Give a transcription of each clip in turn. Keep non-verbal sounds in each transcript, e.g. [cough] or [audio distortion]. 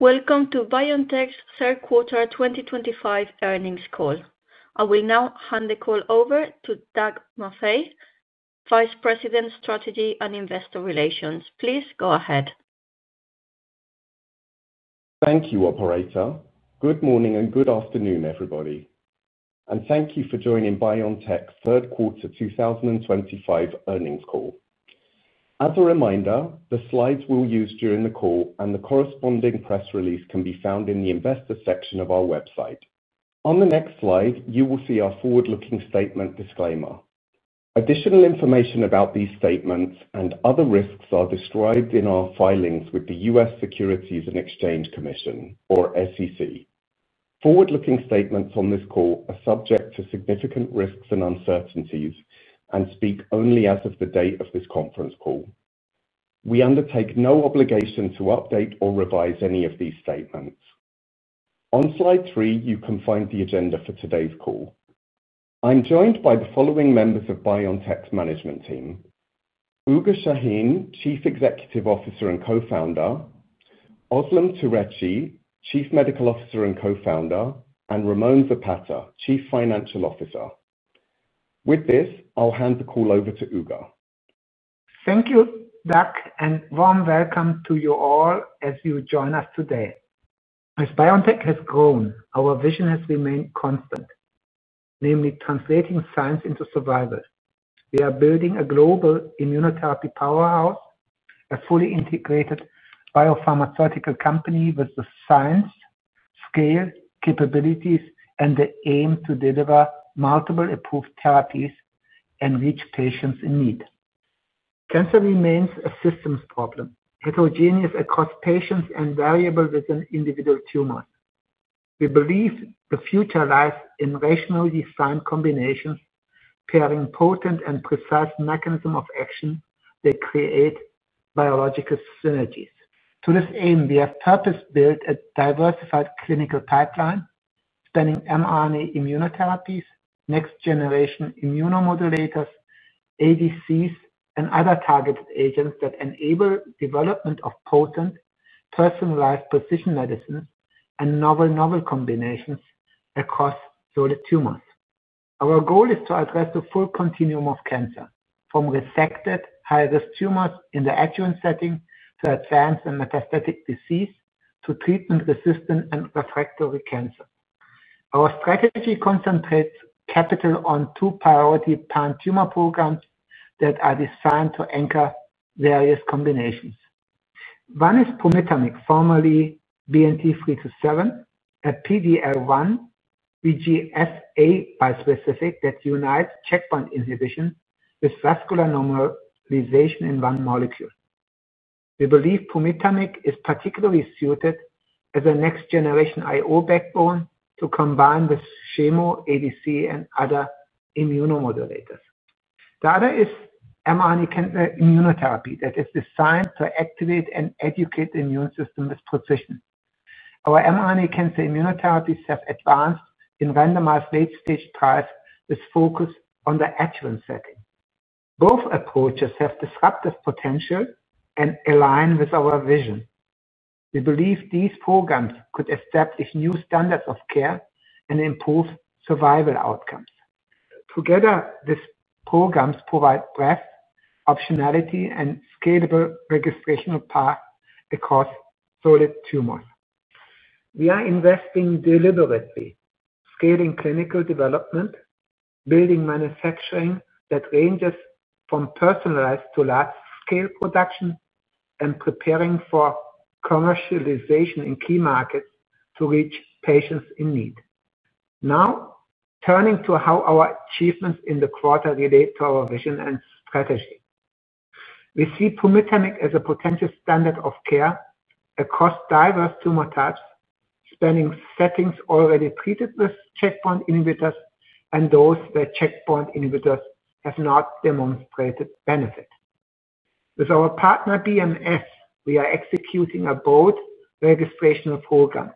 Welcome to BioNTech's third quarter 2025 earnings call. I will now hand the call over to Doug Maffei, Vice President, Strategy and Investor Relations. Please go ahead. Thank you, Operator. Good morning and good afternoon, everybody. Thank you for joining BioNTech's third quarter 2025 earnings call. As a reminder, the slides we'll use during the call and the corresponding press release can be found in the investor section of our website. On the next slide, you will see our forward-looking statement disclaimer. Additional information about these statements and other risks are described in our filings with the U.S. Securities and Exchange Commission, or SEC. Forward-looking statements on this call are subject to significant risks and uncertainties and speak only as of the date of this conference call. We undertake no obligation to update or revise any of these statements. On slide three, you can find the agenda for today's call. I'm joined by the following members of BioNTech's management team. Uğur Şahin, Chief Executive Officer and Co-founder. Özlem Türeci, Chief Medical Officer and Co-founder, and Ramón Zapata, Chief Financial Officer. With this, I'll hand the call over to Uğur. Thank you, Doug, and warm welcome to you all as you join us today. As BioNTech has grown, our vision has remained constant, namely translating science into survival. We are building a global immunotherapy powerhouse, a fully integrated biopharmaceutical company with the science, scale, capabilities, and the aim to deliver multiple approved therapies and reach patients in need. Cancer remains a systems problem, heterogeneous across patients and variable within individual tumors. We believe the future lies in rationally defined combinations pairing potent and precise mechanisms of action that create biological synergies. To this aim, we have purpose-built a diversified clinical pipeline spanning mRNA immunotherapies, next-generation immunomodulators, ADCs, and other targeted agents that enable the development of potent, personalized precision medicines and novel novel combinations across solid tumors. Our goal is to address the full continuum of cancer, from resected high-risk tumors in the adjuvant setting to advanced and metastatic disease to treatment-resistant and refractory cancer. Our strategy concentrates capital on two priority pan-tumor programs that are designed to anchor various combinations. One is pumitamig, formerly BNT327, a PD-L1 VEGF-A bispecific that unites checkpoint inhibition with vascular normalization in one molecule. We believe pumitamig is particularly suited as a next-generation IO backbone to combine with chemo, ADC, and other immunomodulators. The other is mRNA cancer immunotherapy that is designed to activate and educate the immune system with precision. Our mRNA cancer immunotherapies have advanced in randomized late-stage trials with focus on the adjuvant setting. Both approaches have disruptive potential and align with our vision. We believe these programs could establish new standards of care and improve survival outcomes. Together, these programs provide breadth, optionality, and scalable registration paths across solid tumors. We are investing deliberately, scaling clinical development, building manufacturing that ranges from personalized to large-scale production, and preparing for commercialization in key markets to reach patients in need. Now, turning to how our achievements in the quarter relate to our vision and strategy. We see pumitamig as a potential standard of care across diverse tumor types, spanning settings already treated with checkpoint inhibitors and those where checkpoint inhibitors have not demonstrated benefit. With our partner BMS, we are executing a broad registration program.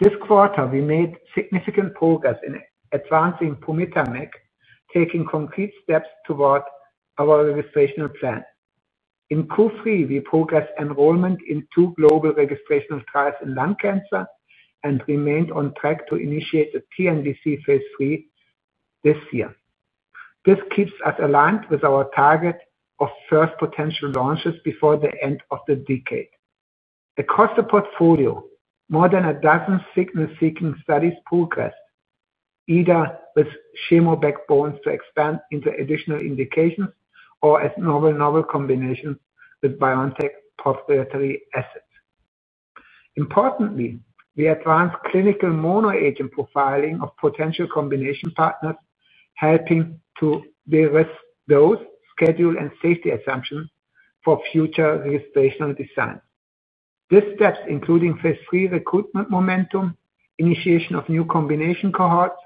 This quarter, we made significant progress in advancing pumitamig, taking concrete steps toward our registration plan. In Q3, we progressed enrollment in two global registration trials in lung cancer and remained on track to initiate a TNBC phase III this year. This keeps us aligned with our target of first potential launches before the end of the decade. Across the portfolio, more than a dozen signal-seeking studies progressed, either with chemo backbones to expand into additional indications or as novel novel combinations with BioNTech proprietary assets. Importantly, we advanced clinical monoagent profiling of potential combination partners, helping to de-risk those schedule and safety assumptions for future registration designs. These steps, including phase III recruitment momentum, initiation of new combination cohorts,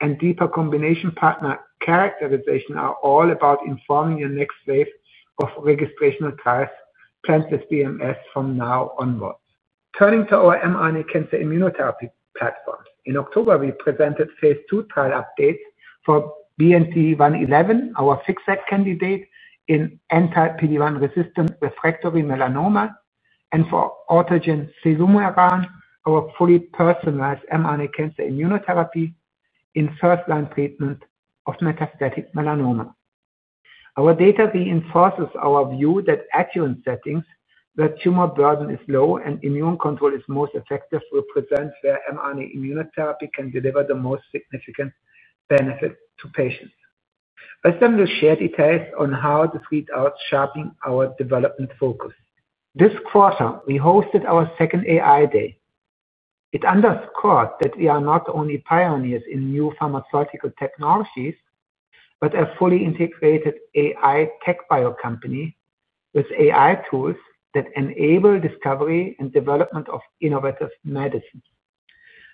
and deeper combination partner characterization, are all about informing your next wave of registration trials planned with BMS from now onwards. Turning to our mRNA cancer immunotherapy platform, in October, we presented phase II trial updates for BNT111, our fixed-cell candidate in anti-PD-1 resistant refractory melanoma, and for autogene cevumeran, our fully personalized mRNA cancer immunotherapy in first-line treatment of metastatic melanoma. Our data reinforces our view that adjuvant settings where tumor burden is low and immune control is most effective represent where mRNA immunotherapy can deliver the most significant benefit to patients. I'll send you shared details on how. Reads out sharpening our development focus. This quarter, we hosted our second AI day. It underscored that we are not only pioneers in new pharmaceutical technologies but a fully integrated AI tech bio company with AI tools that enable discovery and development of innovative medicines.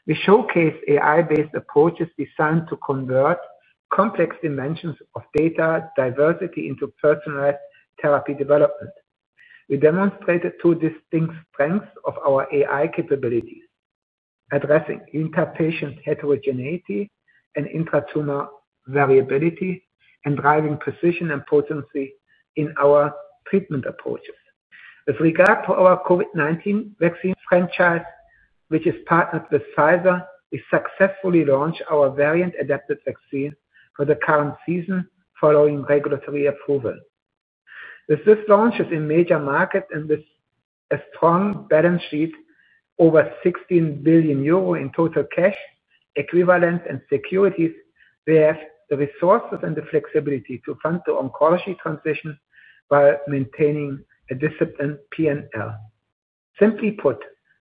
We showcased AI-based approaches designed to convert complex dimensions of data diversity into personalized therapy development. We demonstrated two distinct strengths of our AI capabilities, addressing interpatient heterogeneity and intratumor variability and driving precision and potency in our treatment approaches. With regard to our COVID-19 vaccine franchise, which is partnered with Pfizer, we successfully launched our variant-adapted vaccine for the current season following regulatory approval. With this launch in major markets and with a strong balance sheet over 16 billion euro in total cash equivalents and securities, we have the resources and the flexibility to fund the oncology transition while maintaining a disciplined P&L. Simply put,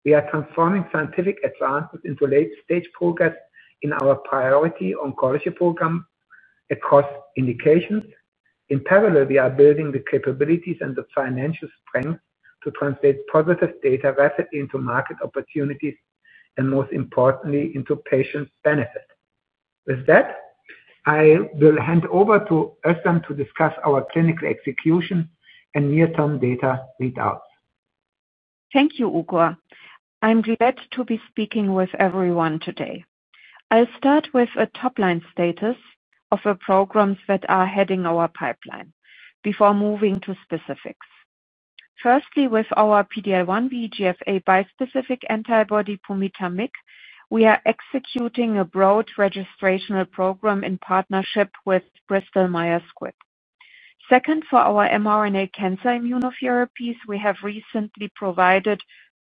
we are transforming scientific advances into late-stage progress in our priority oncology program. Across indications. In parallel, we are building the capabilities and the financial strength to translate positive data rapidly into market opportunities and, most importantly, into patient benefit. With that. I will hand over to Özlem to discuss our clinical execution and near-term data readouts. Thank you, Uğur. I'm glad to be speaking with everyone today. I'll start with a top-line status of the programs that are heading our pipeline before moving to specifics. Firstly, with our PD-L1 VEGF-A bispecific antibody pumitamig, we are executing a broad registration program in partnership with Bristol Myers Squibb. Second, for our mRNA cancer immunotherapies, we have recently provided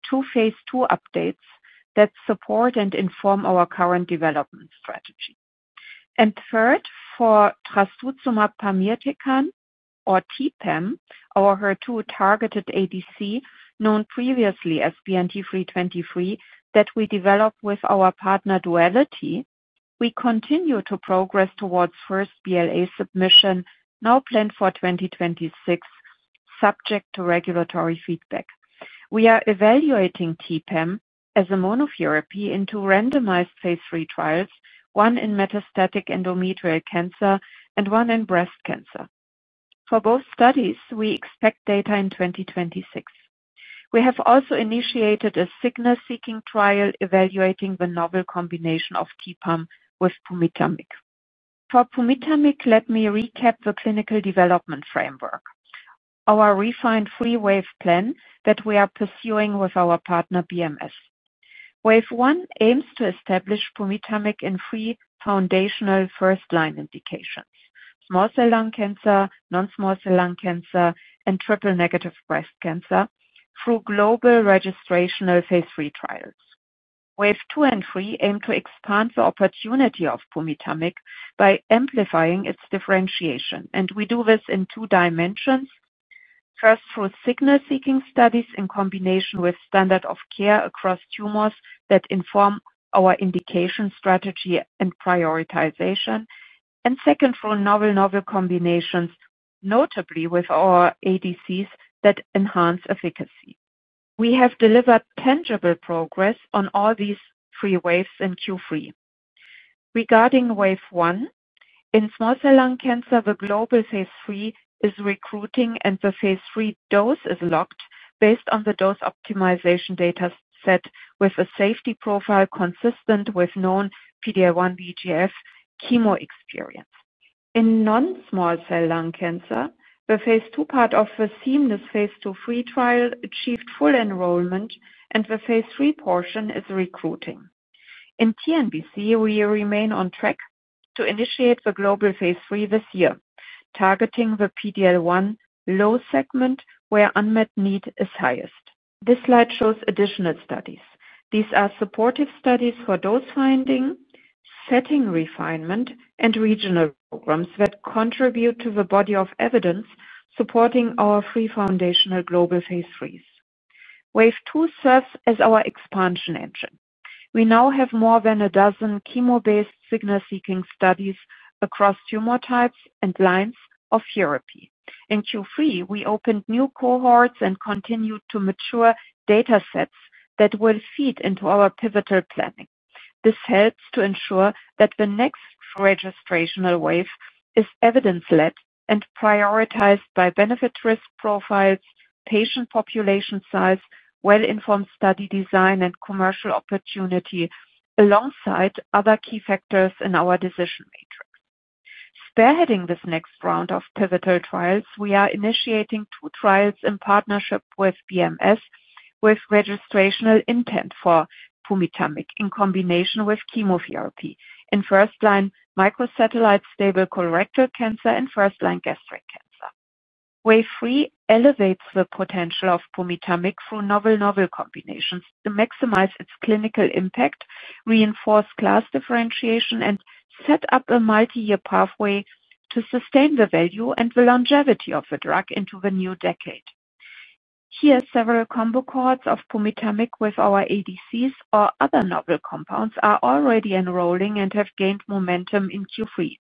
two phase II updates that support and inform our current development strategy. Third, for trastuzumab-pamirtecan, or TPEM, our HER2-targeted ADC, known previously as BNT323, that we developed with our partner Duality, we continue to progress towards first BLA submission now planned for 2026, subject to regulatory feedback. We are evaluating TPEM as a monotherapy into randomized phase III trials, one in metastatic endometrial cancer and one in breast cancer. For both studies, we expect data in 2026. We have also initiated a signal-seeking trial evaluating the novel combination of TPEM with pumitamig. For pumitamig, let me recap the clinical development framework. Our refined three-wave plan that we are pursuing with our partner BMS. Wave one aims to establish pumitamig in three foundational first-line indications: small cell lung cancer, non-small cell lung cancer, and triple-negative breast cancer through global registrational phase III trials. Wave two and three aim to expand the opportunity of pumitamig by amplifying its differentiation. We do this in two dimensions. First, through signal-seeking studies in combination with standard of care across tumors that inform our indication strategy and prioritization. Second, through novel combinations, notably with our ADCs that enhance efficacy. We have delivered tangible progress on all these three waves in Q3. Regarding wave one, in small cell lung cancer, the global phase III is recruiting and the phase III dose is locked based on the dose optimization data set with a safety profile consistent with known PD-L1 VEGF chemo experience. In non-small cell lung cancer, the phase II part of the seamless phase II-III trial achieved full enrollment and the phase III portion is recruiting. In TNBC, we remain on track to initiate the global phase III this year, targeting the PD-L1 low segment where unmet need is highest. This slide shows additional studies. These are supportive studies for dose finding, setting refinement, and regional programs that contribute to the body of evidence supporting our three foundational global phase IIIs. Wave two serves as our expansion engine. We now have more than a dozen chemo-based signal-seeking studies across tumor types and lines of therapy. In Q3, we opened new cohorts and continued to mature data sets that will feed into our pivotal planning. This helps to ensure that the next registrational wave is evidence-led and prioritized by benefit-risk profiles, patient population size, well-informed study design, and commercial opportunity, alongside other key factors in our decision matrix. Spearheading this next round of pivotal trials, we are initiating two trials in partnership with BMS with registrational intent for pumitamig in combination with chemotherapy in first-line microsatellite stable colorectal cancer and first-line gastric cancer. Wave three elevates the potential of pumitamig through novel combinations to maximize its clinical impact, reinforce class differentiation, and set up a multi-year pathway to sustain the value and the longevity of the drug into the new decade. Here, several combo cohorts of pumitamig with our ADCs or other novel compounds are already enrolling and have gained momentum in Q3.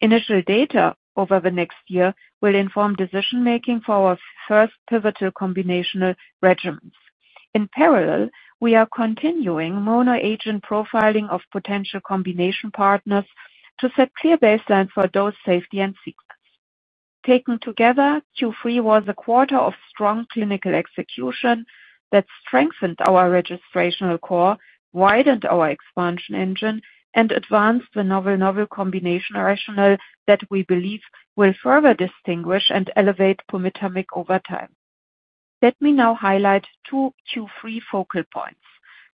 Initial data over the next year will inform decision-making for our first pivotal combinational regimens. In parallel, we are continuing monoagent profiling of potential combination partners to set clear baselines for dose, safety, and sequence. Taken together, Q3 was a quarter of strong clinical execution that strengthened our registrational core, widened our expansion engine, and advanced the novel combinational rationale that we believe will further distinguish and elevate pumitamig over time. Let me now highlight two Q3 focal points.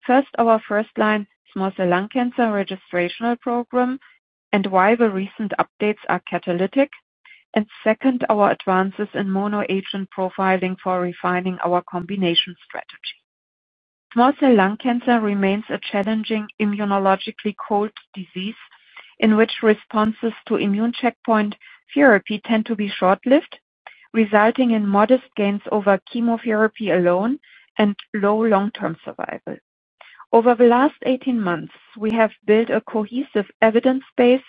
First, our first-line small cell lung cancer registrational program and why the recent updates are catalytic. Second, our advances in monoagent profiling for refining our combination strategy. Small cell lung cancer remains a challenging immunologically cold disease in which responses to immune checkpoint therapy tend to be short-lived, resulting in modest gains over chemotherapy alone and low long-term survival. Over the last 18 months, we have built a cohesive evidence base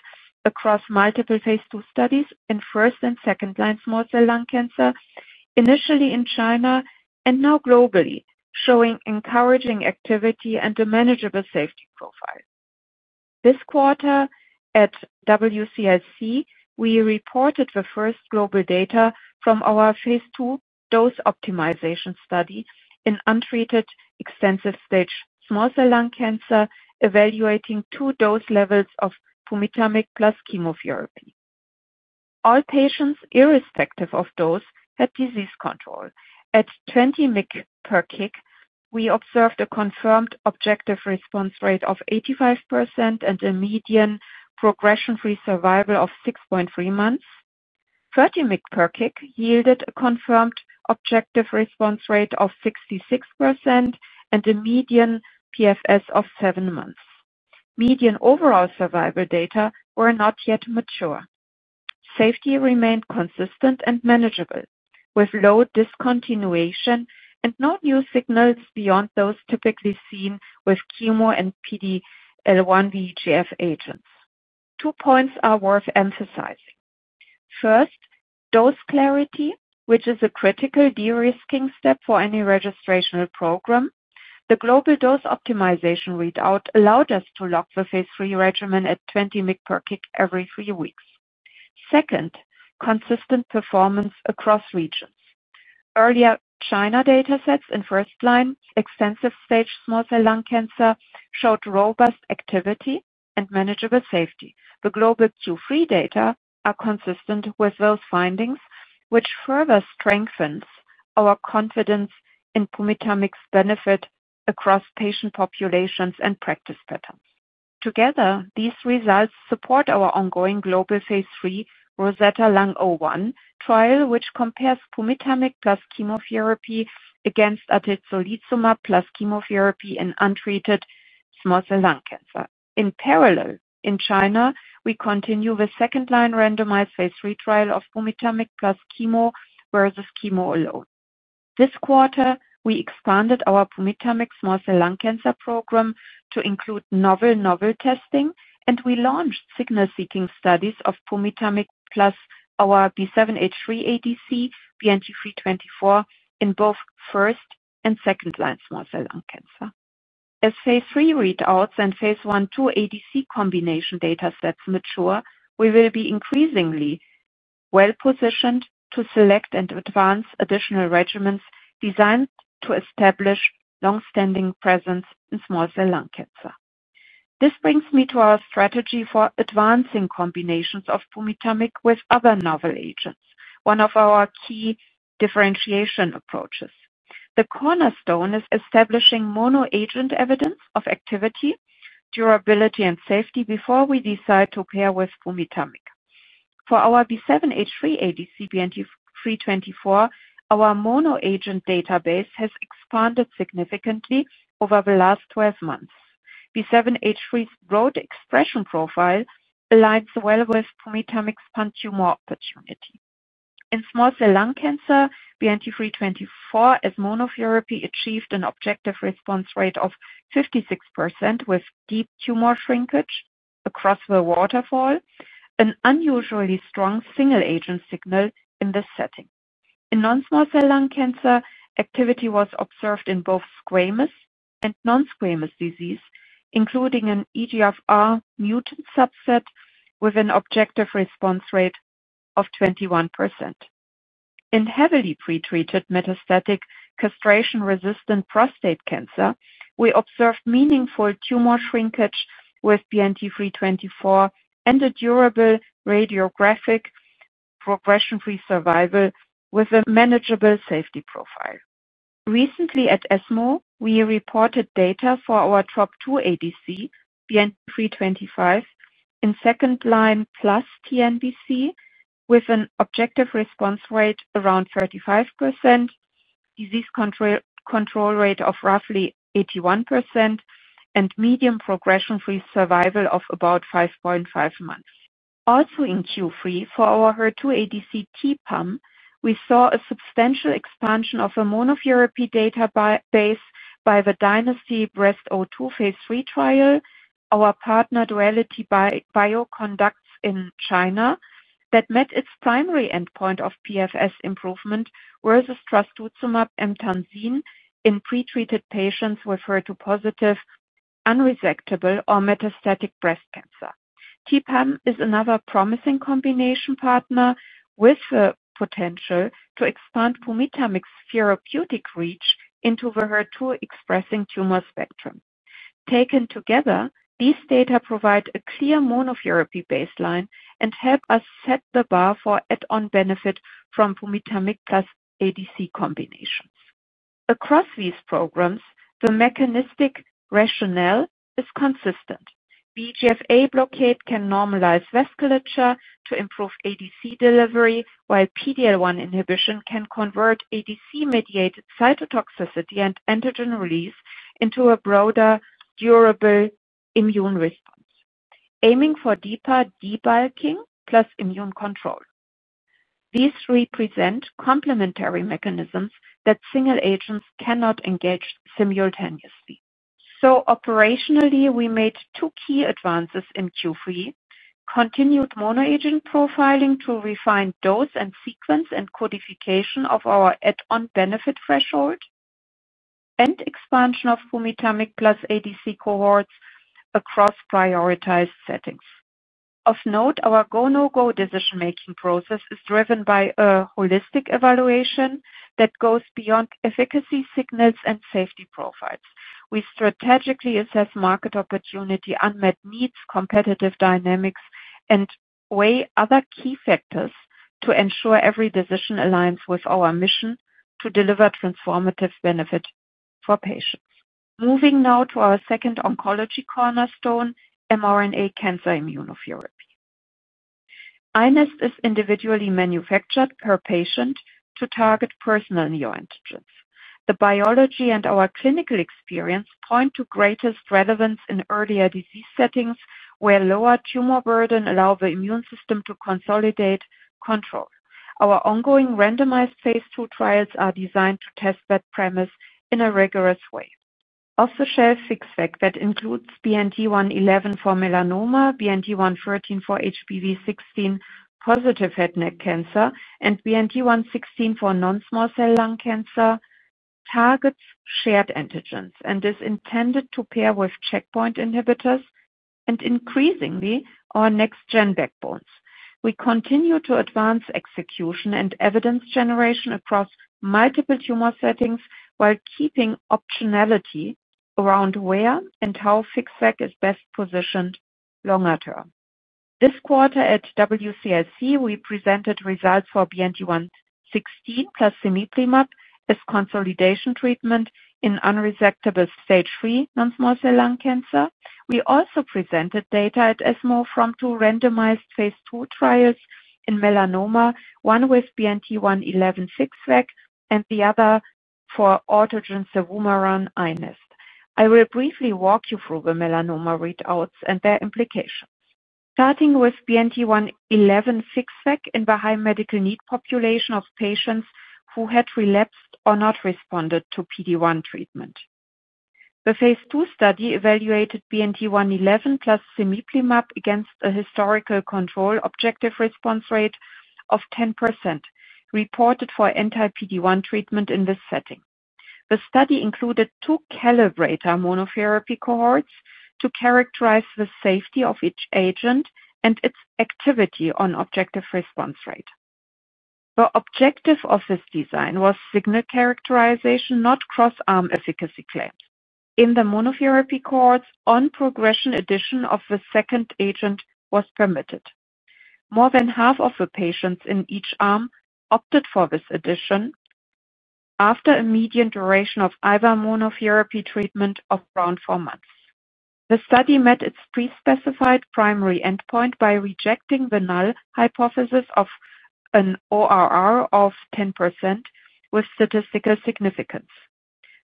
across multiple phase II studies in first and second-line small cell lung cancer, initially in China and now globally, showing encouraging activity and a manageable safety profile. This quarter, at WCIC, we reported the first global data from our phase II dose optimization study in untreated extensive stage small cell lung cancer, evaluating two dose levels of pumitamig plus chemotherapy. All patients, irrespective of dose, had disease control. At 20 mcg per kg, we observed a confirmed objective response rate of 85% and a median progression-free survival of 6.3 months. 30 mcg per kg yielded a confirmed objective response rate of 66% and a median PFS of seven months. Median overall survival data were not yet mature. Safety remained consistent and manageable with low discontinuation and no new signals beyond those typically seen with chemo and PD-L1 VEGF agents. Two points are worth emphasizing. First, dose clarity, which is a critical de-risking step for any registrational program. The global dose optimization readout allowed us to lock the phase III regimen at 20 mcg per kg every three weeks. Second, consistent performance across regions. Earlier China data sets in first-line extensive stage small cell lung cancer showed robust activity and manageable safety. The global Q3 data are consistent with those findings, which further strengthens our confidence in pumitamig's benefit across patient populations and practice patterns. Together, these results support our ongoing global phase III ROSETTA-LUNG-01 trial, which compares pumitamig plus chemotherapy against atezolizumab plus chemotherapy in untreated small cell lung cancer. In parallel, in China, we continue with second-line randomized phase III trial of pumitamig plus chemo versus chemo alone. This quarter, we expanded our pumitamig small cell lung cancer program to include novel testing, and we launched signal-seeking studies of pumitamig plus our B7H3 ADC, BNT324, in both first and second-line small cell lung cancer. As phase III readouts and phase I-II ADC combination data sets mature, we will be increasingly well positioned to select and advance additional regimens designed to establish long-standing presence in small cell lung cancer. This brings me to our strategy for advancing combinations of pumitamig with other novel agents, one of our key differentiation approaches. The cornerstone is establishing monoagent evidence of activity, durability, and safety before we decide to pair with pumitamig. For our B7H3 ADC, BNT324, our monoagent database has expanded significantly over the last 12 months. B7H3's broad expression profile aligns well with pumitamig's pan-tumor opportunity. In small cell lung cancer, BNT324, as monotherapy, achieved an objective response rate of 56% with deep tumor shrinkage across the waterfall, an unusually strong single-agent signal in this setting. In non-small cell lung cancer, activity was observed in both squamous and non-squamous disease, including an EGFR mutant subset with an objective response rate of 21%. In heavily pretreated metastatic castration-resistant prostate cancer, we observed meaningful tumor shrinkage with BNT324 and a durable radiographic progression-free survival with a manageable safety profile. Recently, at ESMO, we reported data for our Trop2 ADC, BNT325, in second-line plus TNBC, with an objective response rate around 35%, disease control rate of roughly 81%, and median progression-free survival of about 5.5 months. Also, in Q3, for our HER2 ADC TPEM, we saw a substantial expansion of the monotherapy database by the Dynasty-Breast02 phase III trial, our partner Duality Biologics conducts in China, that met its primary endpoint of PFS improvement versus trastuzumab and Tamsin in pretreated patients with HER2-positive, unresectable, or metastatic breast cancer. TPEM is another promising combination partner with the potential to expand pumitamig's therapeutic reach into the HER2-expressing tumor spectrum. Taken together, these data provide a clear monotherapy baseline and help us set the bar for add-on benefit from pumitamig plus ADC combinations. Across these programs, the mechanistic rationale is consistent. VEGF-A blockade can normalize vasculature to improve ADC delivery, while PD-L1 inhibition can convert ADC-mediated cytotoxicity and antigen release into a broader, durable immune response, aiming for deeper debulking plus immune control. These represent complementary mechanisms that single agents cannot engage simultaneously. Operationally, we made two key advances in Q3: continued monoagent profiling to refine dose and sequence and codification of our add-on benefit threshold, and expansion of pumitamig plus ADC cohorts across prioritized settings. Of note, our go-no-go decision-making process is driven by a holistic evaluation that goes beyond efficacy signals and safety profiles. We strategically assess market opportunity, unmet needs, competitive dynamics, and weigh other key factors to ensure every decision aligns with our mission to deliver transformative benefit for patients. Moving now to our second oncology cornerstone, mRNA cancer immunotherapy. INEST is individually manufactured per patient to target personal neoantigens. The biology and our clinical experience point to greatest relevance in earlier disease settings where lower tumor burden allows the immune system to consolidate control. Our ongoing randomized phase II trials are designed to test that premise in a rigorous way. Off-the-shelf SpiN-Tec that includes BNT111 for melanoma, BNT113 for HPV16 positive head and neck cancer, and BNT116 for non-small cell lung cancer targets shared antigens and is intended to pair with checkpoint inhibitors and increasingly our next-gen backbones. We continue to advance execution and evidence generation across multiple tumor settings while keeping optionality around where and how SpiN-Tec is best positioned longer term. This quarter, at WCIC, we presented results for BNT116 plus cemiplimab as consolidation treatment in unresectable stage 3 non-small cell lung cancer. We also presented data at ESMO from two randomized phase II trials in melanoma, one with BNT111 SpiN-Tec and the other for autogene cevumeran INEST. I will briefly walk you through the melanoma readouts and their implications, starting with BNT111 SpiN-Tec in the high medical need population of patients who had relapsed or not responded to PD-1 treatment. The phase II study evaluated BNT111 plus cemiplimab against a historical control objective response rate of 10% reported for anti-PD-1 treatment in this setting. The study included two calibrator monotherapy cohorts to characterize the safety of each agent and its activity on objective response rate. The objective of this design was signal characterization, not cross-arm efficacy claims. In the monotherapy cohorts, on-progression addition of the second agent was permitted. More than half of the patients in each arm opted for this addition after a median duration of either monotherapy treatment of around four months. The study met its pre-specified primary endpoint by rejecting the null hypothesis of an ORR of 10% with statistical significance.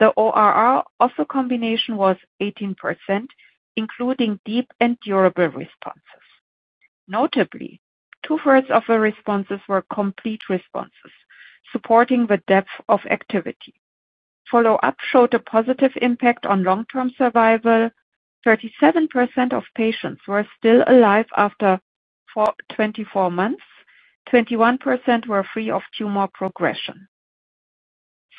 The ORR of the combination was 18%, including deep and durable responses. Notably, two-thirds of the responses were complete responses, supporting the depth of activity. Follow-up showed a positive impact on long-term survival. 37% of patients were still alive after 24 months. 21% were free of tumor progression.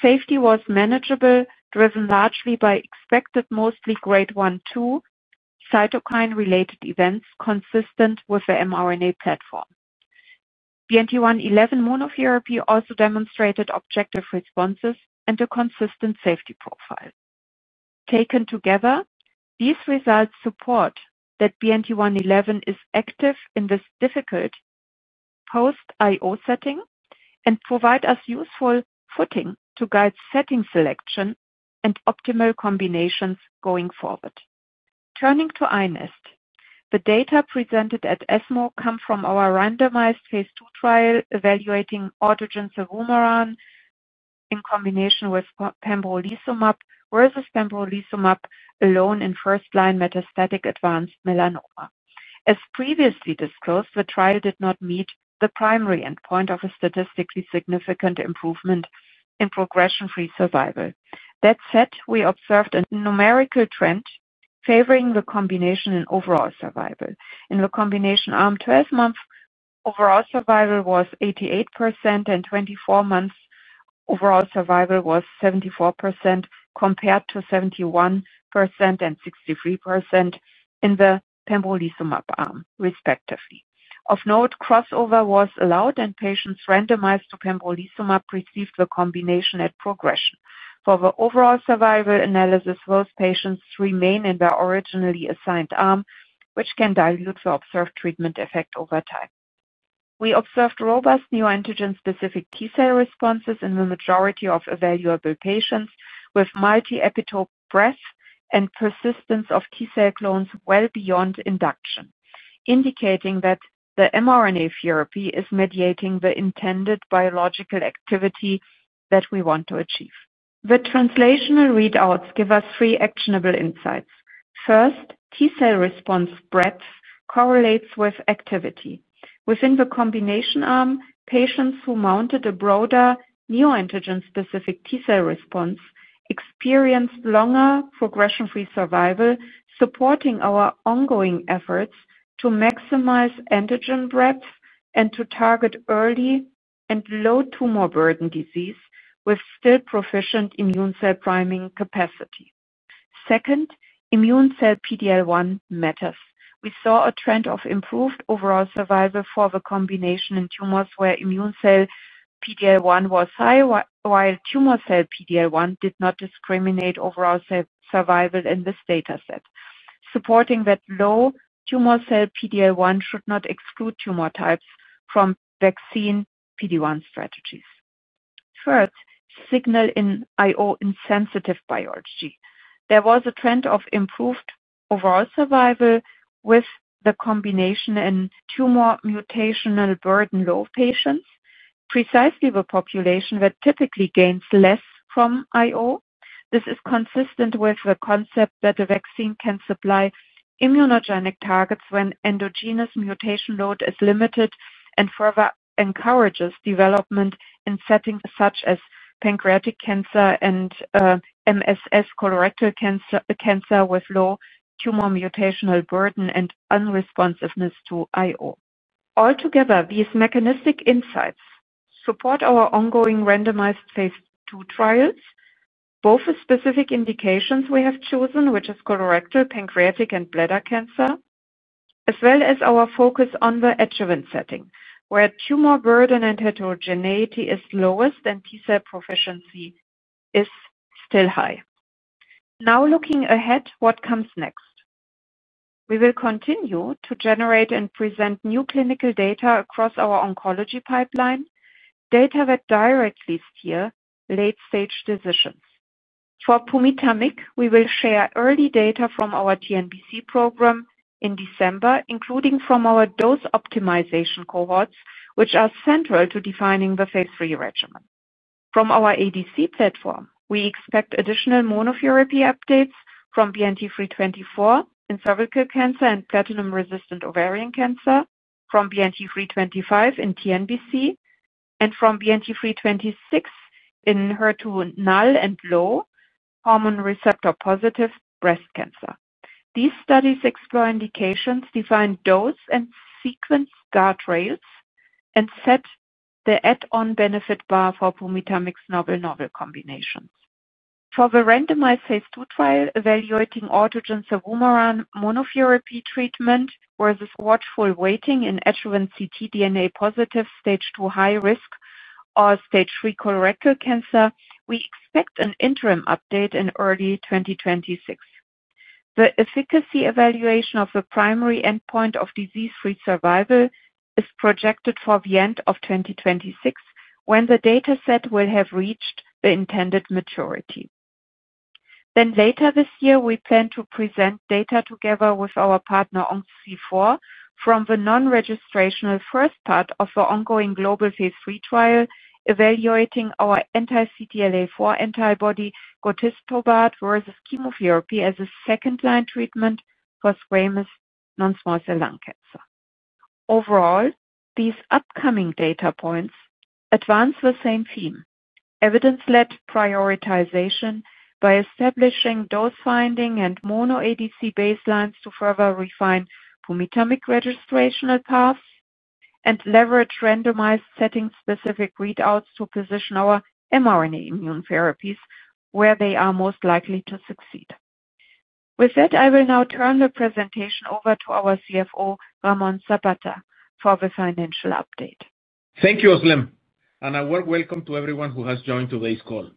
Safety was manageable, driven largely by expected mostly grade 1, 2 cytokine-related events consistent with the mRNA platform. BNT111 monotherapy also demonstrated objective responses and a consistent safety profile. Taken together, these results support that BNT111 is active in this difficult post-IO setting and provide us useful footing to guide setting selection and optimal combinations going forward. Turning to INEST, the data presented at ESMO come from our randomized phase II trial evaluating autogene cevumeran in combination with pembrolizumab versus pembrolizumab alone in first-line metastatic advanced melanoma. As previously disclosed, the trial did not meet the primary endpoint of a statistically significant improvement in progression-free survival. That said, we observed a numerical trend favoring the combination in overall survival. In the combination arm, 12-month overall survival was 88%, and 24-month overall survival was 74% compared to 71% and 63% in the pembrolizumab arm, respectively. Of note, crossover was allowed, and patients randomized to pembrolizumab received the combination at progression. For the overall survival analysis, those patients remain in their originally assigned arm, which can dilute the observed treatment effect over time. We observed robust neoantigen-specific T-cell responses in the majority of evaluable patients with multi-epitope breadth and persistence of T-cell clones well beyond induction, indicating that the mRNA therapy is mediating the intended biological activity that we want to achieve. The translational readouts give us three actionable insights. First, T-cell response breadth correlates with activity. Within the combination arm, patients who mounted a broader neoantigen-specific T-cell response experienced longer progression-free survival, supporting our ongoing efforts to maximize antigen breadth and to target early and low tumor burden disease with still proficient immune cell priming capacity. Second, immune cell PD-L1 matters. We saw a trend of improved overall survival for the combination in tumors where immune cell PD-L1 was high, while tumor cell PD-L1 did not discriminate overall survival in this data set, supporting that low tumor cell PD-L1 should not exclude tumor types from vaccine PD-1 strategies. Third, signal in IO in sensitive biology. There was a trend of improved overall survival with the combination in tumor mutational burden low patients, precisely the population that typically gains less from IO. This is consistent with the concept that the vaccine can supply immunogenic targets when endogenous mutation load is limited and further encourages development in settings such as pancreatic cancer and MSS colorectal cancer with low tumor mutational burden and unresponsiveness to IO. Altogether, these mechanistic insights support our ongoing randomized phase II trials, both the specific indications we have chosen, which is colorectal, pancreatic, and bladder cancer, as well as our focus on the adjuvant setting, where tumor burden and heterogeneity is lowest and T-cell proficiency is still high. Now, looking ahead, what comes next? We will continue to generate and present new clinical data across our oncology pipeline, data that directly steer late-stage decisions. For pumitamig, we will share early data from our TNBC program in December, including from our dose optimization cohorts, which are central to defining the phase III regimen. From our ADC platform, we expect additional monotherapy updates from BNT324 in cervical cancer and platinum-resistant ovarian cancer, from BNT325 in TNBC, and from BNT326 in HER2 null and low hormone receptor-positive breast cancer. These studies explore indications, define dose, and sequence guardrails, and set the add-on benefit bar for pumitamig's novel-novel combinations. For the randomized phase II trial evaluating autogene cevumeran monotherapy treatment versus watchful waiting in adjuvant circulating tumor DNA positive stage 2 high-risk or stage 3 colorectal cancer, we expect an interim update in early 2026. The efficacy evaluation of the primary endpoint of disease-free survival is projected for the end of 2026, when the data set will have reached the intended maturity. Later this year, we plan to present data together with our partner OncoC4 from the non-registrational first part of the ongoing global phase III trial evaluating our anti-CTLA-4 antibody gotistobart versus chemotherapy as a second-line treatment for squamous non-small cell lung cancer. Overall, these upcoming data points advance the same theme: evidence-led prioritization by establishing dose finding and mono ADC baselines to further refine pumitamig registrational paths and leverage randomized setting-specific readouts to position our mRNA immune therapies where they are most likely to succeed. With that, I will now turn the presentation over to our CFO, Ramón Zapata, for the financial update. Thank you, Özlem. A warm welcome to everyone who has joined today's call.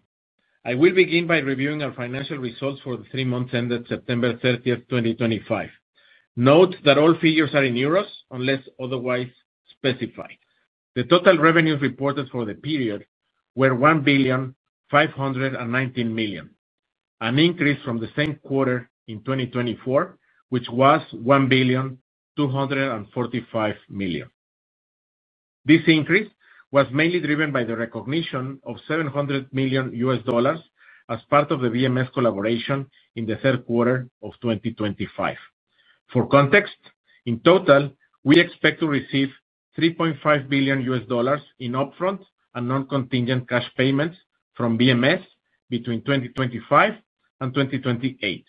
I will begin by reviewing our financial results for the three months ended September 30, 2025. Note that all figures are in EUR unless otherwise specified. The total revenues reported for the period were 1,519 million, an increase from the same quarter in 2024, which was 1,245 million. This increase was mainly driven by the recognition of $700 million as part of the BMS collaboration in the third quarter of 2025. For context, in total, we expect to receive $3.5 billion in upfront and non-contingent cash payments from BMS between 2025-2028.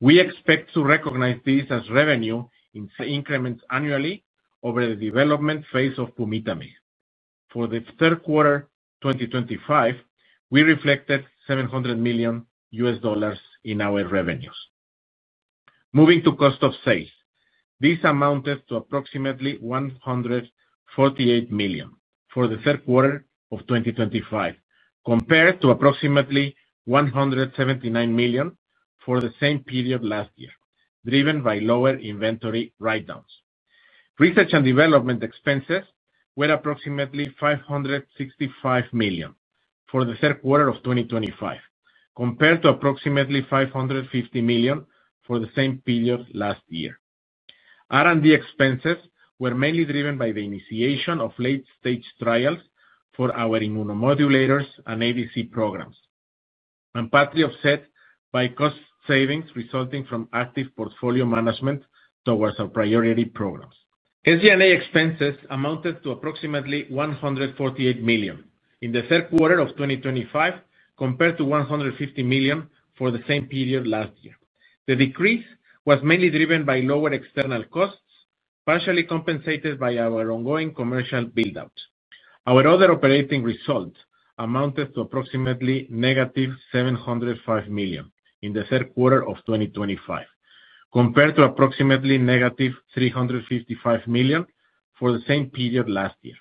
We expect to recognize this as revenue in increments annually over the development phase of pumitamig. For the third quarter 2025, we reflected $700 million in our revenues. Moving to cost of sales, these amounted to approximately 148 million for the third quarter of 2025, compared to approximately 179 million for the same period last year, driven by lower inventory write-downs. Research and development expenses were approximately 565 million for the third quarter of 2025, compared to approximately 550 million for the same period last year. R&D expenses were mainly driven by the initiation of late-stage trials for our immunomodulators and ADC programs, and partially offset by cost savings resulting from active portfolio management towards our priority programs. SG&A expenses amounted to approximately 148 million in the third quarter of 2025, compared to 150 million for the same period last year. The decrease was mainly driven by lower external costs, partially compensated by our ongoing commercial build-out. Our other operating result amounted to approximately -705 million in the third quarter of 2025, compared to approximately -355 million for the same period last year.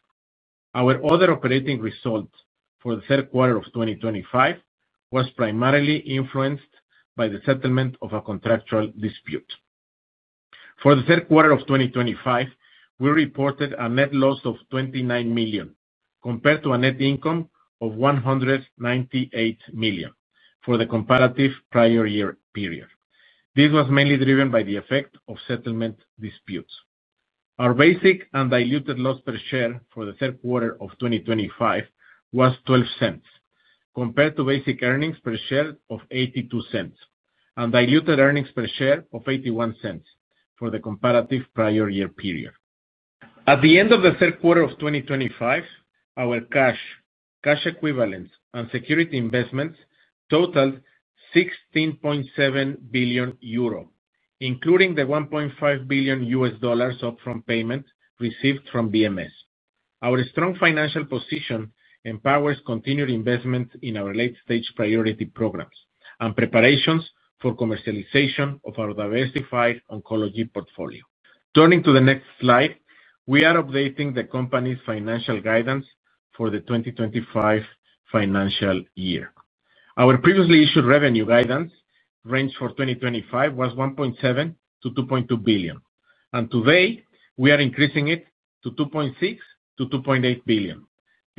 Our other operating result for the third quarter of 2025 was primarily influenced by the settlement of a contractual dispute. For the third quarter of 2025, we reported a net loss of 29 million, compared to a net income of 198 million for the comparative prior year period. This was mainly driven by the effect of settlement disputes. Our basic and diluted loss per share for the third quarter of 2025 was 0.12, compared to basic earnings per share of 0.82 and diluted earnings per share of 0.81 for the comparative prior year period. At the end of the third quarter of 2025, our cash, cash equivalents, and security investments totaled 16.7 billion euro, including the $1.5 billion upfront payment received from BMS. Our strong financial position empowers continued investment in our late-stage priority programs and preparations for commercialization of our diversified oncology portfolio. Turning to the next slide, we are updating the company's financial guidance for the 2025 financial year. Our previously issued revenue guidance range for 2025 was 1.7 billion-2.2 billion. Today, we are increasing it to 2.6 billion-2.8 billion.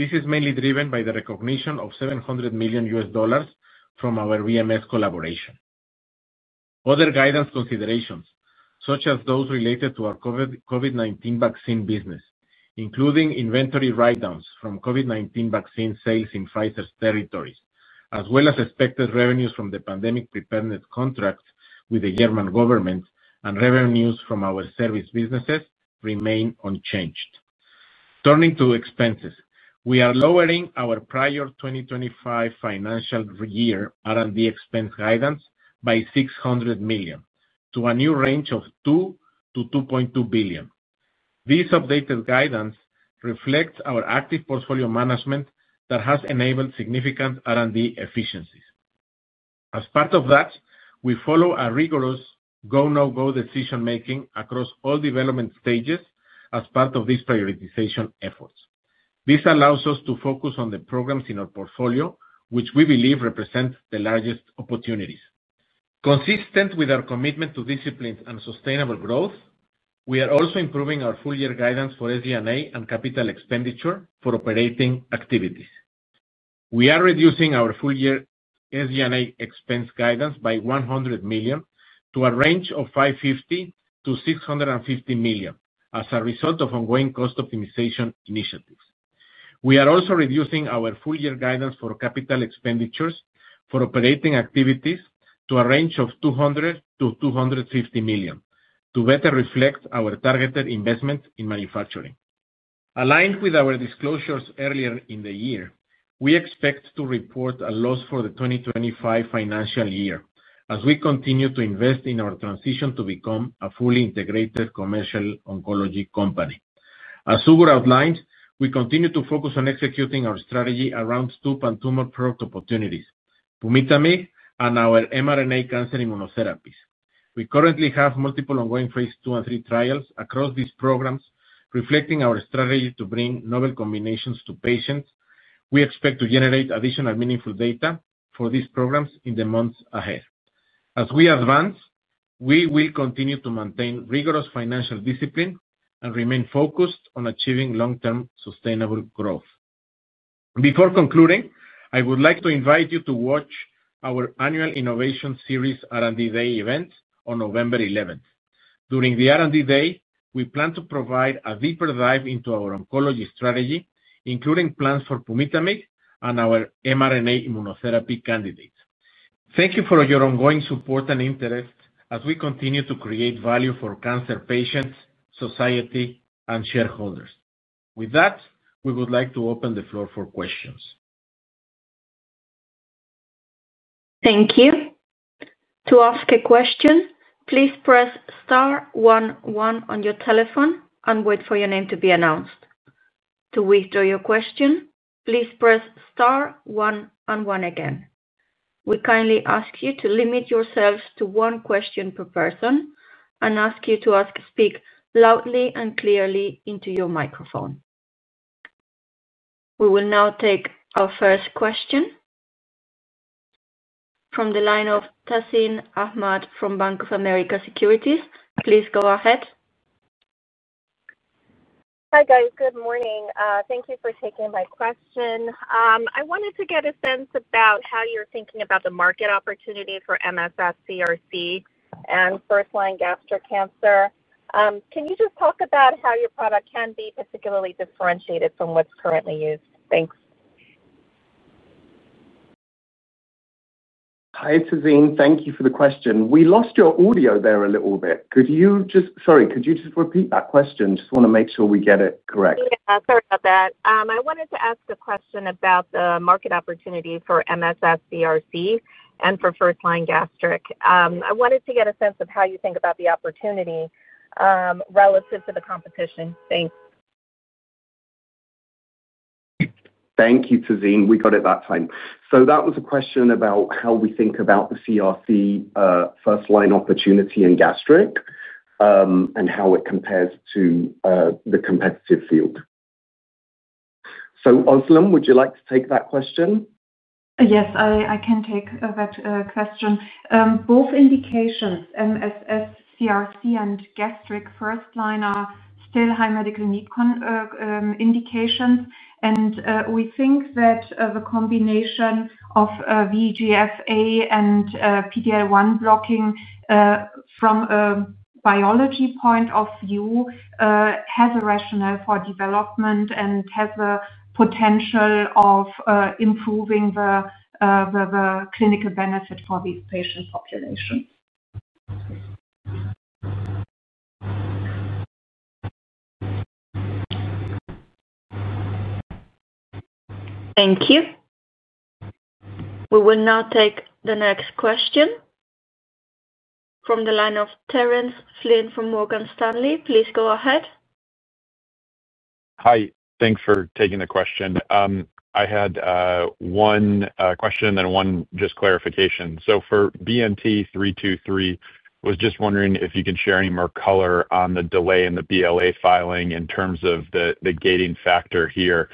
This is mainly driven by the recognition of $700 million from our BMS collaboration. Other guidance considerations, such as those related to our COVID-19 vaccine business, including inventory write-downs from COVID-19 vaccine sales in Pfizer's territories, as well as expected revenues from the pandemic preparedness contract with the German government and revenues from our service businesses, remain unchanged. Turning to expenses, we are lowering our prior 2025 financial year R&D expense guidance by 600 million to a new range of 2 billion-2.2 billion. This updated guidance reflects our active portfolio management that has enabled significant R&D efficiencies. As part of that, we follow a rigorous go-no-go decision-making across all development stages as part of these prioritization efforts. This allows us to focus on the programs in our portfolio, which we believe represent the largest opportunities. Consistent with our commitment to discipline and sustainable growth, we are also improving our full-year guidance for SG&A and capital expenditure for operating activities. We are reducing our full-year SG&A expense guidance by 100 million to a range of 550 million-650 million as a result of ongoing cost optimization initiatives. We are also reducing our full-year guidance for capital expenditures for operating activities to a range of 200 million-250 million to better reflect our targeted investment in manufacturing. Aligned with our disclosures earlier in the year, we expect to report a loss for the 2025 financial year as we continue to invest in our transition to become a fully integrated commercial oncology company. As Uğur outlined, we continue to focus on executing our strategy around two pan-tumor product opportunities: pumitamig and our mRNA cancer immunotherapies. We currently have multiple ongoing phase II and three trials across these programs, reflecting our strategy to bring novel combinations to patients. We expect to generate additional meaningful data for these programs in the months ahead. As we advance, we will continue to maintain rigorous financial discipline and remain focused on achieving long-term sustainable growth. Before concluding, I would like to invite you to watch our annual Innovation Series R&D Day event on November 11. During the R&D Day, we plan to provide a deeper dive into our oncology strategy, including plans for pumitamig and our mRNA immunotherapy candidates. Thank you for your ongoing support and interest as we continue to create value for cancer patients, society, and shareholders. With that, we would like to open the floor for questions. Thank you. To ask a question, please press star one one on your telephone and wait for your name to be announced. To withdraw your question, please press star one one again. We kindly ask you to limit yourselves to one question per person and ask you to speak loudly and clearly into your microphone. We will now take our first question. From the line of Tazeen Ahmad from Bank of America Securities, please go ahead. Hi, guys. Good morning. Thank you for taking my question. I wanted to get a sense about how you're thinking about the market opportunity for MSS-CRC and first-line gastric cancer. Can you just talk about how your product can be particularly differentiated from what's currently used? Thanks. Hi, Tazeen. Thank you for the question. We lost your audio there a little bit. Could you just—sorry, could you just repeat that question? Just want to make sure we get it correct. Yeah, sorry about that. I wanted to ask a question about the market opportunity for MSS-CRC and for first-line gastric. I wanted to get a sense of how you think about the opportunity. Relative to the competition. Thanks. Thank you, Tazeen. We got it that time. That was a question about how we think about the CRC first-line opportunity in gastric. And how it compares to the competitive field. Özlem, would you like to take that question? Yes, I can take that question. Both indications, MSS-CRC and gastric first-line, are still high medical need indications. We think that the combination of VEGF-A and PD-L1 blocking from a biology point of view has a rationale for development and has the potential of improving the clinical benefit for these patient populations. Thank you. We will now take the next question. From the line of Terence Flynn from Morgan Stanley. Please go ahead. Hi. Thanks for taking the question. I had one question and one just clarification. For BNT323, I was just wondering if you could share any more color on the delay in the BLA filing in terms of the gating factor here.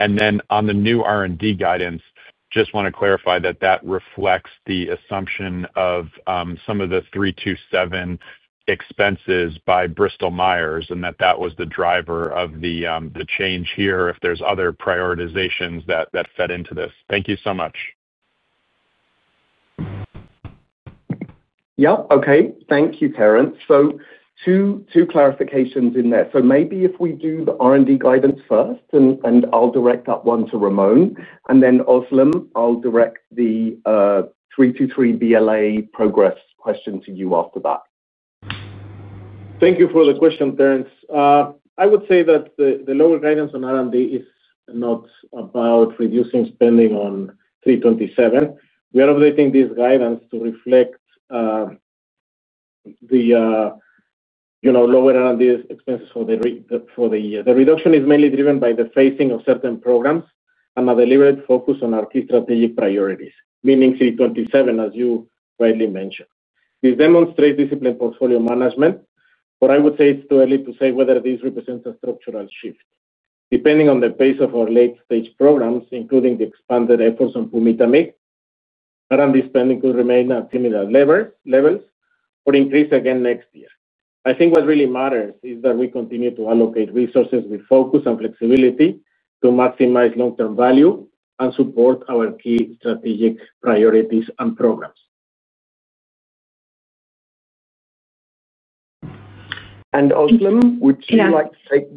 On the new R&D guidance, just want to clarify that that reflects the assumption of some of the 327 expenses by Bristol Myers and that that was the driver of the change here, if there's other prioritizations that fed into this. Thank you so much. Yep. Okay. Thank you, Terence. Two clarifications in there. If we do the R&D guidance first, I'll direct that one to Ramón. Özlem, I'll direct the 323 BLA progress question to you after that. Thank you for the question, Terence. I would say that the lower guidance on R&D is not about reducing spending on 327. We are updating this guidance to reflect the lower R&D expenses for the year. The reduction is mainly driven by the phasing of certain programs and a deliberate focus on our key strategic priorities, meaning 327, as you rightly mentioned. This demonstrates disciplined portfolio management, but I would say it's too early to say whether this represents a structural shift. Depending on the pace of our late-stage programs, including the expanded efforts on pumitamig R&D spending could remain at similar levels or increase again next year. I think what really matters is that we continue to allocate resources with focus and flexibility to maximize long-term value and support our key strategic priorities and programs. Özlem, would you like to take—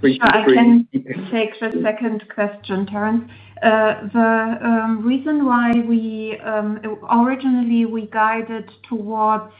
Please. [audio distortion] Take the second question, Terence. The reason why we— Originally, we guided towards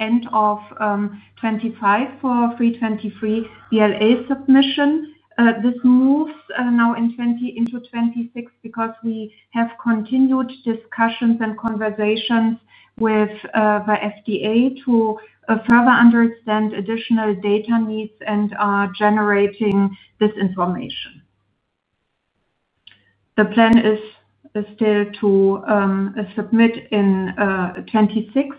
end of 2025 for 323 BLA submission. This moves now into 2026 because we have continued discussions and conversations with the FDA to further understand additional data needs and are generating this information. The plan is still to submit in 2026.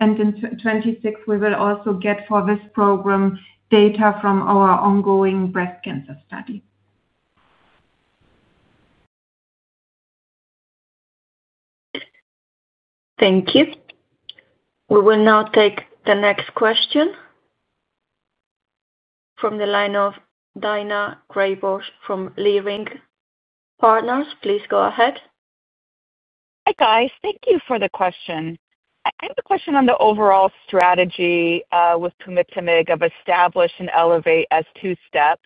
And in 2026, we will also get for this program data from our ongoing breast cancer study. Thank you. We will now take the next question from the line of Daina Graybosch from Leerink Partners. Please go ahead. Hi, guys. Thank you for the question. I have a question on the overall strategy with pumitamig of establish and elevate as two steps.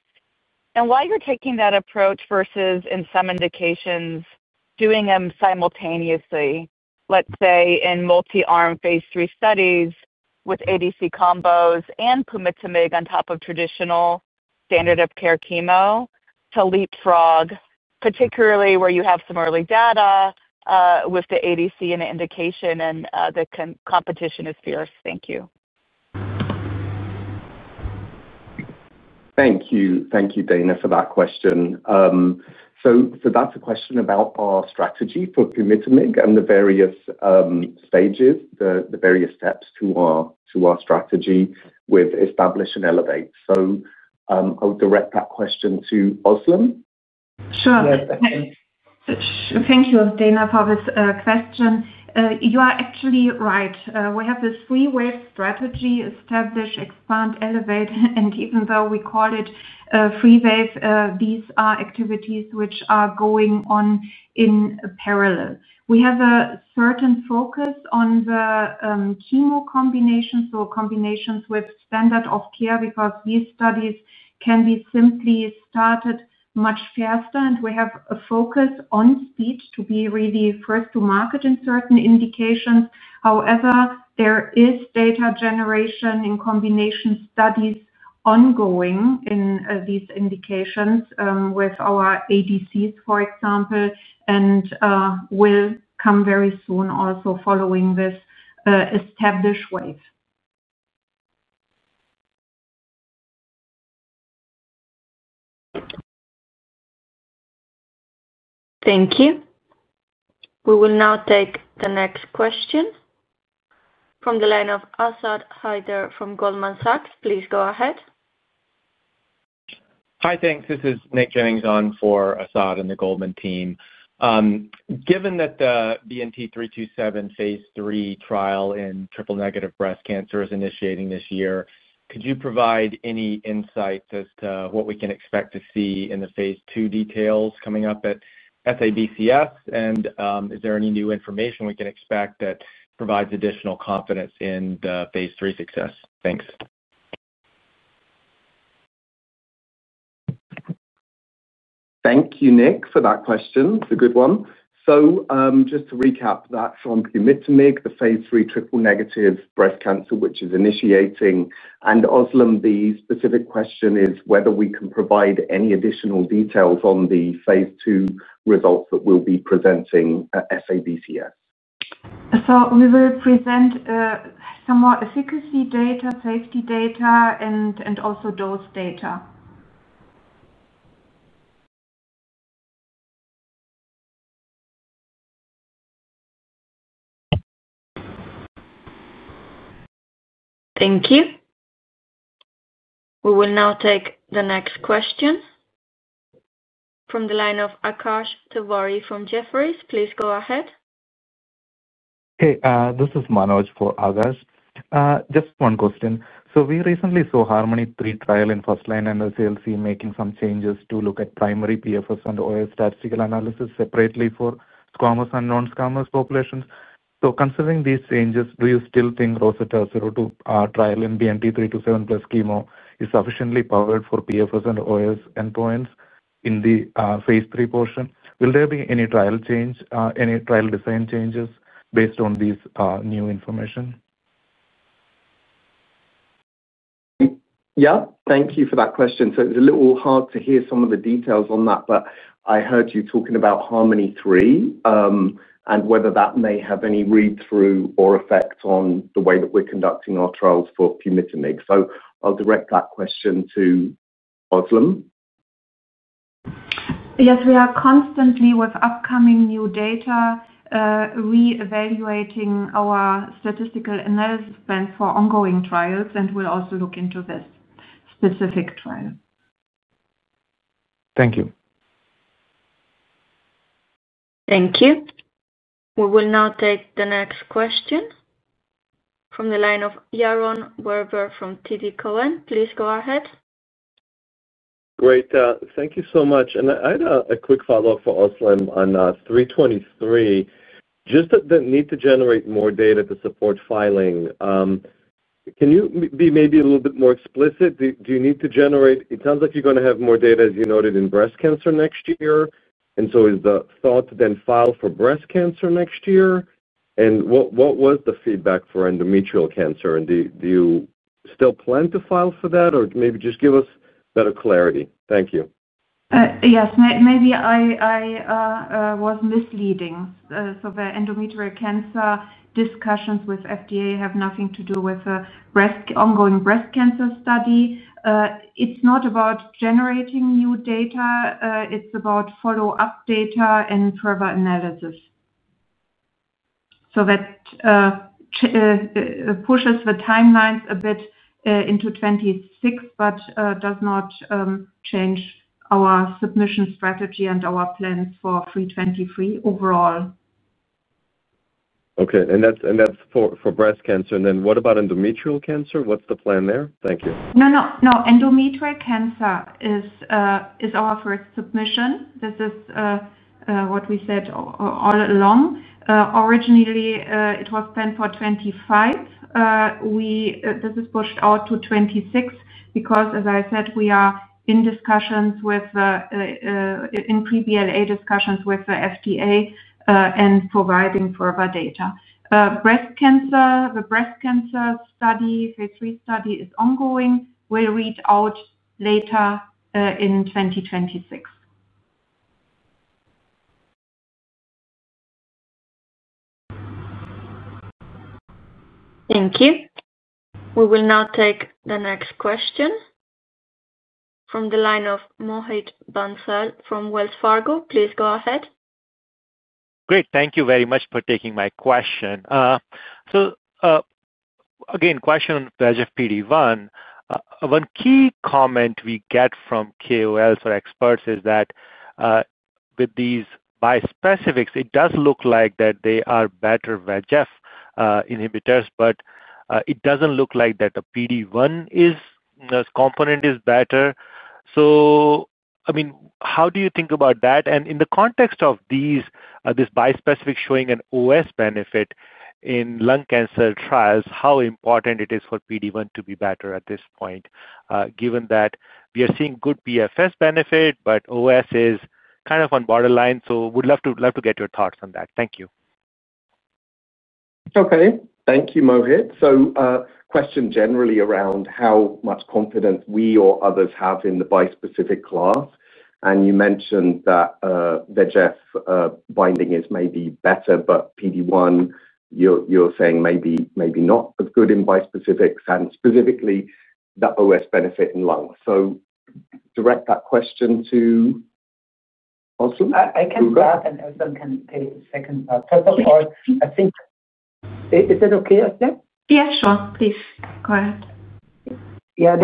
And why you're taking that approach versus, in some indications, doing them simultaneously, let's say in multi-arm phase III studies with ADC combos and pumitamig on top of traditional standard of care chemo to leapfrog, particularly where you have some early data with the ADC and indication, and the competition is fierce. Thank you. Thank you. Thank you, Daina, for that question. That's a question about our strategy for pumitamig and the various stages, the various steps to our strategy with establish and elevate. I'll direct that question to Özlem. Sure. Thank you, Daina, for this question. You are actually right. We have this three-wave strategy: establish, expand, elevate. Even though we call it three-wave, these are activities which are going on in parallel. We have a certain focus on the chemo combinations, so combinations with standard of care, because these studies can be simply started much faster. We have a focus on speed to be really first to market in certain indications. However, there is data generation in combination studies ongoing in these indications with our ADCs, for example, and will come very soon also following this establish wave. Thank you. We will now take the next question from the line of Asad Haider from Goldman Sachs. Please go ahead. Hi, thanks. This is Nic Jennings on for Asad and the Goldman team. Given that the BNT327 phase III trial in triple-negative breast cancer is initiating this year, could you provide any insight as to what we can expect to see in the phase II details coming up at SABCS? And is there any new information we can expect that provides additional confidence in the phase III success? Thanks. Thank you, Nic, for that question. It's a good one. Just to recap that for pumitamig, the phase III triple-negative breast cancer, which is initiating. Özlem, the specific question is whether we can provide any additional details on the phase two results that we will be presenting at SABCS. We will present somewhat efficacy data, safety data, and also dose data. Thank you. We will now take the next question from the line of Akash Tewari from Jefferies. Please go ahead. Hey, this is Manoj for others. Just one question. We recently saw Harmony III trial in first-line NSCLC making some changes to look at primary PFS and OS statistical analysis separately for squamous and non-squamous populations. Considering these changes, do you still think ROSETTA 02 trial in BNT327 plus chemo is sufficiently powered for PFS and OS endpoints in the phase III portion? Will there be any trial design changes based on this new information? Yeah. Thank you for that question. It's a little hard to hear some of the details on that, but I heard you talking about Harmony III and whether that may have any read-through or effect on the way that we're conducting our trials for pumitamig. I'll direct that question to Özlem. Yes, we are constantly, with upcoming new data, re-evaluating our statistical analysis spend for ongoing trials, and we'll also look into this specific trial. Thank you. Thank you. We will now take the next question from the line of Yaron Werber from TD Cowen. Please go ahead. Great. Thank you so much. I had a quick follow-up for Özlem on 323. Just that need to generate more data to support filing. Can you be maybe a little bit more explicit? Do you need to generate—it sounds like you're going to have more data, as you noted, in breast cancer next year. Is the thought to then file for breast cancer next year? What was the feedback for endometrial cancer? Do you still plan to file for that, or maybe just give us better clarity? Thank you. Yes, maybe I was misleading. The endometrial cancer discussions with FDA have nothing to do with ongoing breast cancer study. It's not about generating new data. It's about follow-up data and further analysis. That pushes the timelines a bit into 2026, but does not change our submission strategy and our plans for 323 overall. Okay. That's for breast cancer. What about endometrial cancer? What's the plan there? Thank you. No, no, no. Endometrial cancer is our first submission. This is what we said all along. Originally, it was planned for 2025. This is pushed out to 2026 because, as I said, we are in discussions with—in pre-BLA discussions with the FDA and providing further data. The breast cancer study, phase three study, is ongoing. We'll read out later in 2026. Thank you. We will now take the next question. From the line of Mohit Bansal from Wells Fargo. Please go ahead. Great. Thank you very much for taking my question. So. Again, question on VEGF PD-1. One key comment we get from KOLs or experts is that. With these bispecifics, it does look like that they are better VEGF inhibitors, but it does not look like that the PD-1 component is better. So, I mean, how do you think about that? And in the context of this bispecific showing an OS benefit in lung cancer trials, how important it is for PD-1 to be better at this point, given that we are seeing good PFS benefit, but OS is kind of on borderline? So we would love to get your thoughts on that. Thank you. Okay. Thank you, Mohit. So question generally around how much confidence we or others have in the bispecific class. And you mentioned that VEGF binding is maybe better, but PD-1, you are saying maybe not as good in bispecifics and specifically the OS benefit in lung. So. Direct that question to Özlem? I can start, and Özlem can take a second. First of all, I think. Is it okay I start? Yeah, sure. Please go ahead. Yeah.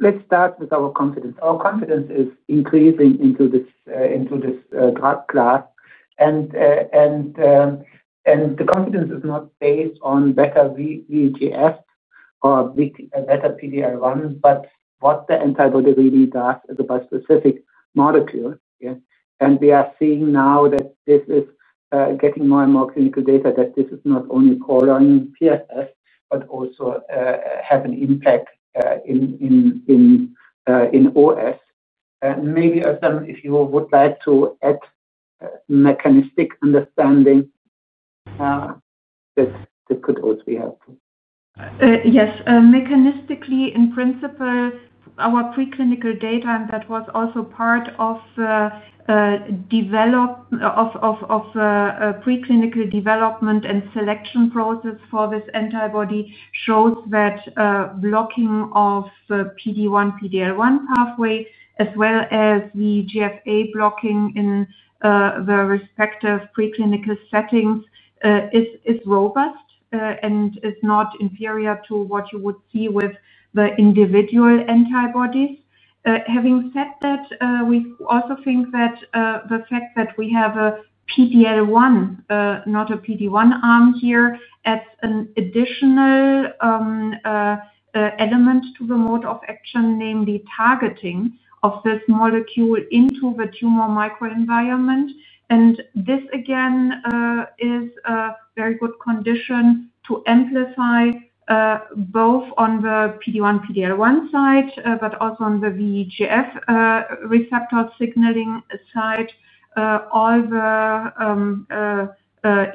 Let's start with our confidence. Our confidence is increasing into this class. And the confidence is not based on better VEGF or better PD-1, but what the antibody really does. The bispecific molecule. And we are seeing now that this is getting more and more clinical data, that this is not only on PFS, but also have an impact in OS. Maybe, Özlem, if you would like to add mechanistic understanding. That could also be helpful. Yes. Mechanistically, in principle, our preclinical data, and that was also part of preclinical development and selection process for this antibody, shows that blocking of the PD-1, PD-1 pathway, as well as the VEGF-A blocking in the respective preclinical settings, is robust and is not inferior to what you would see with the individual antibodies. Having said that, we also think that the fact that we have a PD-1, not a PD-1 arm here, adds an additional element to the mode of action, namely targeting of this molecule into the tumor microenvironment. And this, again, is a very good condition to amplify both on the PD-1, PD-1 side, but also on the VEGF receptor signaling side, all the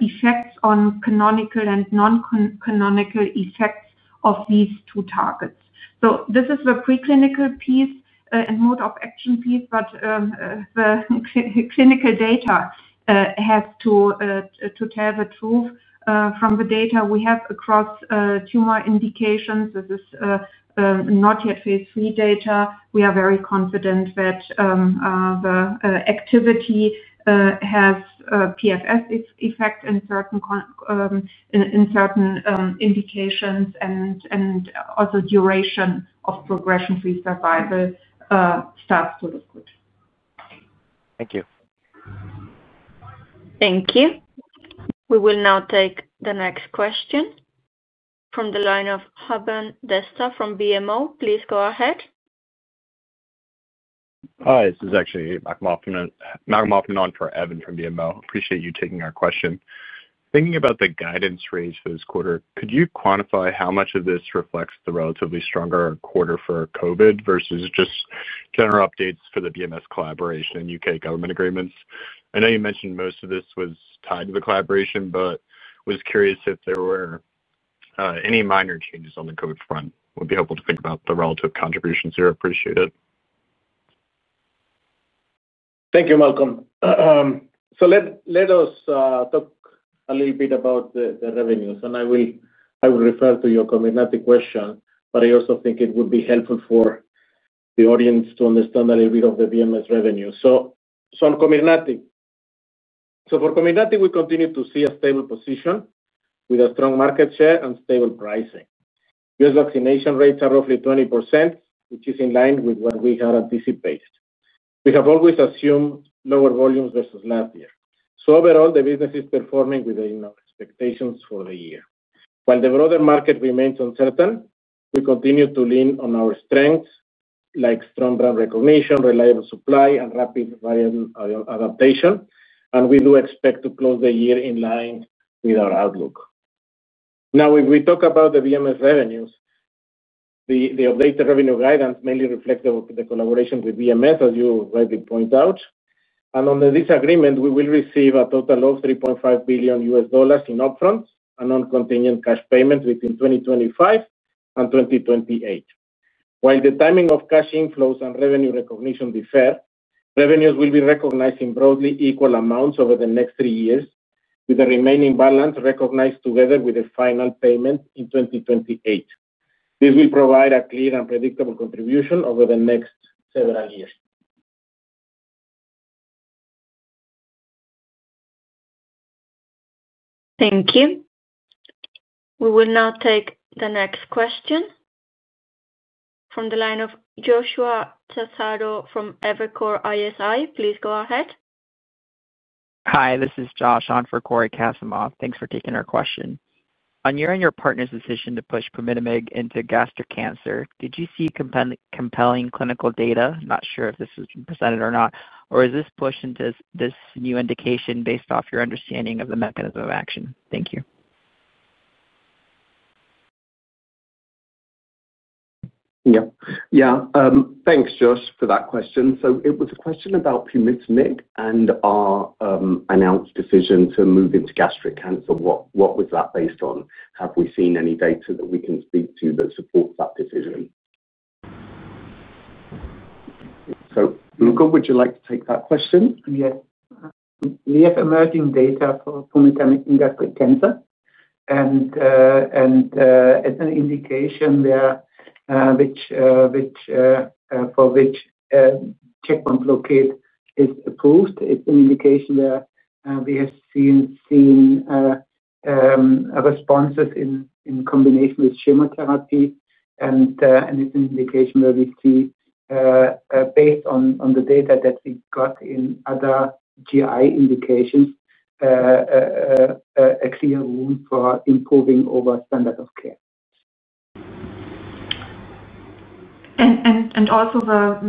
effects on canonical and non-canonical effects of these two targets. So this is the preclinical piece and mode of action piece, but the clinical data has to tell the truth. From the data we have across tumor indications. This is not yet phase three data. We are very confident that the activity has PFS effect in certain indications and also duration of progression-free survival starts to look good. Thank you. Thank you. We will now take the next question. From the line of [audio distortion] from BMO. Please go ahead. Hi. This is actually Malcolm Hoffman for Evan from BMO. Appreciate you taking our question. Thinking about the guidance range for this quarter, could you quantify how much of this reflects the relatively stronger quarter for COVID versus just general updates for the BMS collaboration and U.K. government agreements? I know you mentioned most of this was tied to the collaboration, but was curious if there were any minor changes on the COVID front. Would be helpful to think about the relative contributions here. Appreciate it. Thank you, Malcolm. Let us talk a little bit about the revenues. I will refer to your COMIRNATY question, but I also think it would be helpful for the audience to understand a little bit of the BMS revenue. So for COMIRNATY, we continue to see a stable position with a strong market share and stable pricing. U.S. vaccination rates are roughly 20%, which is in line with what we had anticipated. We have always assumed lower volumes versus last year. Overall, the business is performing within expectations for the year. While the broader market remains uncertain, we continue to lean on our strengths, like strong brand recognition, reliable supply, and rapid adaptation. We do expect to close the year in line with our outlook. Now, if we talk about the BMS revenues, the updated revenue guidance mainly reflects the collaboration with BMS, as you rightly point out. On this agreement, we will receive a total of $3.5 billion in upfront and continued cash payment between 2025-2028. While the timing of cash inflows and revenue recognition differ, revenues will be recognized in broadly equal amounts over the next three years, with the remaining balance recognized together with the final payment in 2028. This will provide a clear and predictable contribution over the next several years. Thank you. We will now take the next question from the line of Joshua Chazaro from Evercore ISI. Please go ahead. Hi. This is Josh on for Cory Kasimov. Thanks for taking our question. On your and your partner's decision to push pomitamig into gastric cancer, did you see compelling clinical data? Not sure if this was presented or not. Or is this push into this new indication based off your understanding of the mechanism of action? Thank you. Yeah. Thanks, Josh, for that question. It was a question about pomitamig and our announced decision to move into gastric cancer. What was that based on? Have we seen any data that we can speak to that supports that decision? Uğur, would you like to take that question? Yes. We have emerging data for pumitamig in gastric cancer. It's an indication for which checkpoint blockade is approved. It's an indication where we have seen responses in combination with chemotherapy. It's an indication where we see, based on the data that we got in other GI indications, a clear room for improving over standard of care. Also, the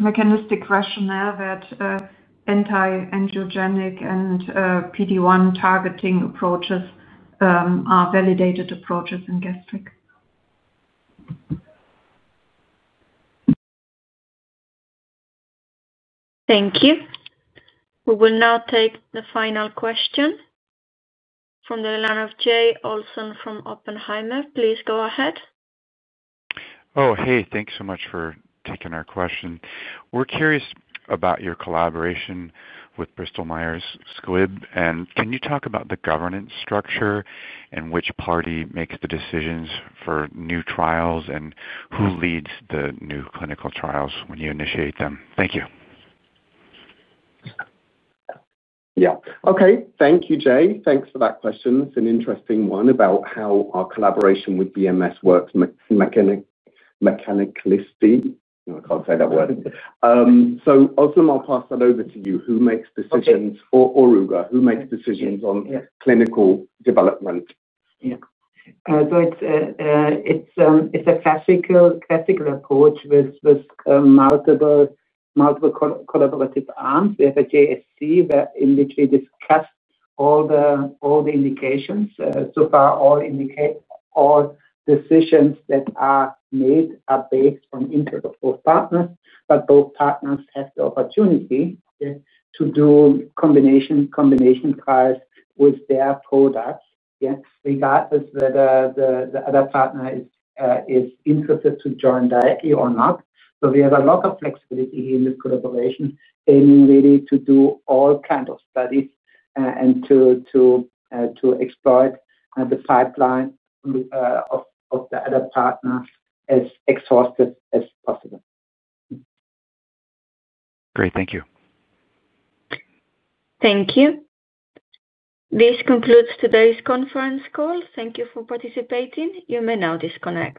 mechanistic rationale that anti-angiogenic and PD-1 targeting approaches. Are validated approaches in gastric. Thank you. We will now take the final question from the line of Jay Olson from Oppenheimer. Please go ahead. Oh, hey. Thanks so much for taking our question. We're curious about your collaboration with Bristol Myers Squibb. And can you talk about the governance structure and which party makes the decisions for new trials and who leads the new clinical trials when you initiate them? Thank you. Yeah. Okay. Thank you, Jay. Thanks for that question. It's an interesting one about how our collaboration with BMS works mechanically. I can't say that word. So, Özlem, I'll pass that over to you. Who makes decisions? Ugur. Who makes decisions on clinical development? Yeah. So. It's a classical approach with multiple collaborative arms. We have a JSC where we discuss all the indications. So far, all decisions that are made are based on interoperable partners, but both partners have the opportunity to do combination trials with their products, regardless of whether the other partner is interested to join directly or not. We have a lot of flexibility in this collaboration, aiming really to do all kinds of studies and to exploit the pipeline of the other partners as exhaustive as possible. Great. Thank you. Thank you. This concludes today's conference call. Thank you for participating. You may now disconnect.